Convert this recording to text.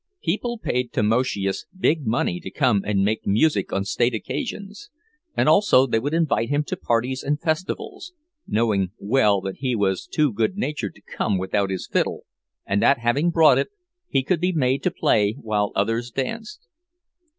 People paid Tamoszius big money to come and make music on state occasions; and also they would invite him to parties and festivals, knowing well that he was too good natured to come without his fiddle, and that having brought it, he could be made to play while others danced.